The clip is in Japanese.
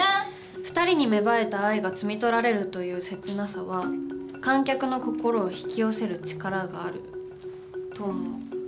２人に芽生えた愛が摘み取られるという切なさは観客の心を引き寄せる力があると思う。